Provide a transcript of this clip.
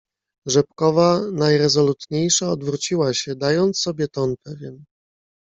"Rzepkowa najrezolutniejsza odwróciła się, dając sobie ton pewien."